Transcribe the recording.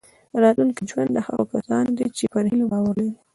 راتلونکی ژوند د هغو کسانو دی چې پر هیلو باور لري.